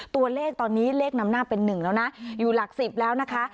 ตัวเลขตอนนี้เลขนำหน้าเป็น๑แล้วนะอยู่หลัก๑๐แล้วนะคะ